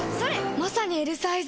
まさにＬサイズ！